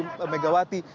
dan bagaimana hati megawati